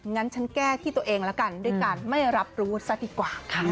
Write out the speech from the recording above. งั้นฉันแก้ที่ตัวเองแล้วกันด้วยการไม่รับรู้ซะดีกว่าค่ะ